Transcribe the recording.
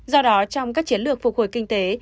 do đó trong các chiến lược phục hồi kinh tế